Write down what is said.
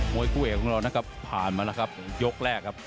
วยคู่เอกของเรานะครับผ่านมาแล้วครับยกแรกครับ